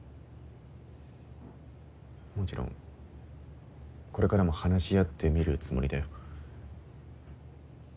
もちろんこれからも話し合ってみるつもりだよ。